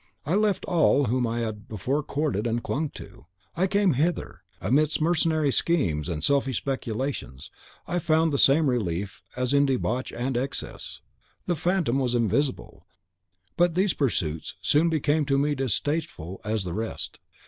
I left all whom I had before courted and clung to, I came hither. Amidst mercenary schemes and selfish speculations, I found the same relief as in debauch and excess. The Phantom was invisible; but these pursuits soon became to me distasteful as the rest.